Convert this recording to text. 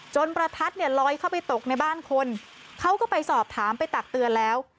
ประทัดเนี่ยลอยเข้าไปตกในบ้านคนเขาก็ไปสอบถามไปตักเตือนแล้ว